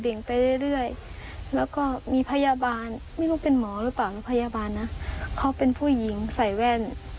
่งไปเรื่อยแล้วก็มีพยาบาลไม่รู้เป็นหมอหรือเปล่าหรือพยาบาลนะเขาเป็นผู้หญิงใส่แว่น